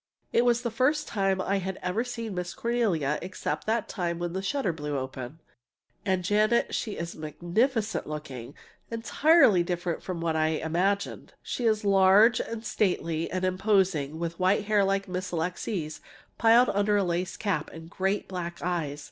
It was the first time I had ever seen Miss Cornelia (except that time when the shutter blew open), and, Janet, she is magnificent looking entirely different from what I had imagined! She is large and stately and imposing, with white hair like Miss Alixe's, piled under a lace cap, and great black eyes.